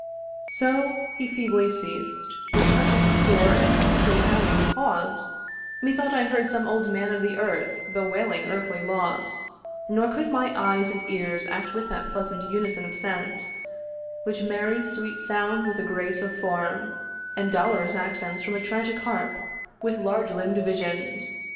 So he feebly ceas'd, With such a poor and sickly sounding pause, Methought I heard some old man of the earth Bewailing earthly loss; nor could my eyes And ears act with that pleasant unison of sense Which marries sweet sound with the grace of form, And dolorous accent from a tragic harp With large limb'd visions.